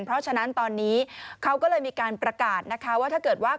เพราะฉะนั้นตอนนี้เขาก็เลยมีการประกาศนะคะว่าถ้าเกิดว่า